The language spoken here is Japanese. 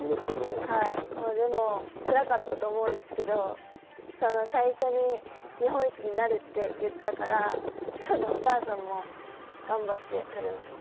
つらかったと思うんですけれど、最初に日本一になるって言ったからお母さんも頑張ってくれました。